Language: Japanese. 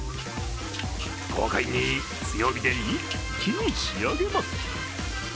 豪快に強火で一気に仕上げます。